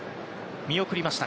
見送りました。